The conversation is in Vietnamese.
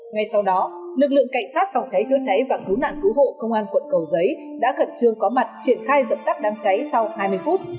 ngay sau đó lực lượng cảnh sát phòng cháy chữa cháy và cứu nạn cứu hộ công an quận cầu giấy đã khẩn trương có mặt triển khai dập tắt đám cháy sau hai mươi phút